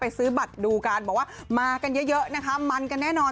ซื้อบัตรดูกันบอกว่ามากันเยอะนะคะมันกันแน่นอน